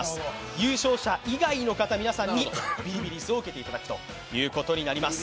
優勝者以外の方皆さんにビリビリ椅子を受けていただくことになります。